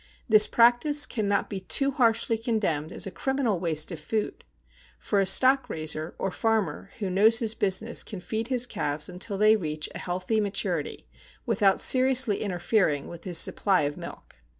This practice cannot be too harshly condemned as a criminal waste of food; for a stock raiser, or farmer, who knows his business can feed his calves until they reach a healthy maturity, without seriously interfering with his supply of milk.